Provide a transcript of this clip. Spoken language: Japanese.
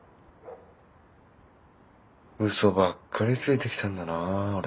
嘘ばっかりついてきたんだな俺。